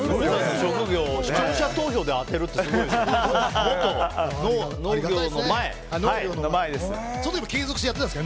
職業を視聴者投票で当てるってすごいですね。